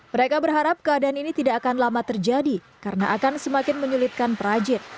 mereka berharap keadaan ini tidak akan lama terjadi karena akan semakin menyulitkan perajin